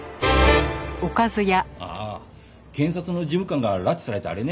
ああ検察の事務官が拉致されたあれね。